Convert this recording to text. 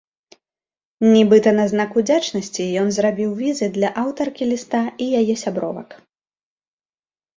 Нібыта на знак удзячнасці ён зрабіў візы для аўтаркі ліста і яе сябровак.